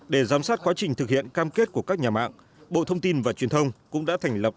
để giám sát quá trình thực hiện cam kết của các nhà mạng bộ thông tin và truyền thông cũng đã thành lập